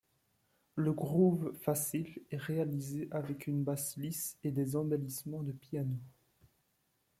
Le groove facile est réalisé avec une basse lisse et des embellissements de piano.